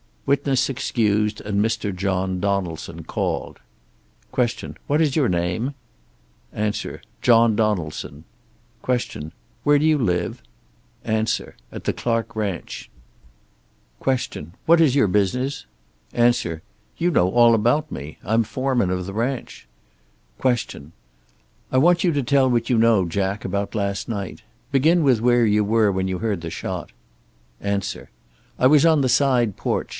Witness excused and Mr. John Donaldson called. Q. "What is your name?" A. "John Donaldson." Q. "Where do you live?" A. "At the Clark ranch." Q. "What is your business?" A. "You know all about me. I'm foreman of the ranch." Q. "I want you to tell what you know, Jack, about last night. Begin with where you were when you heard the shot." A. "I was on the side porch.